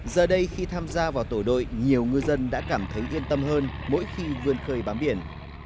giờ đây khi tham gia vào tổ đội nhiều ngư dân đã cảm thấy yên tâm hơn mỗi khi vươn khơi bám biển